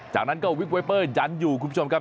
จากนั้นก็วิกไวเปอร์ยันอยู่คุณผู้ชมครับ